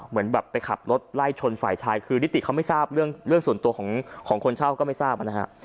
เหมือนแบบไปขับรถไล่ชนฝ่ายชายคือนิติเขาไม่ทราบเรื่องส่วนตัวของคนเช่าก็ไม่ทราบนะฮะ